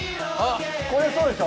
これそうでしょ？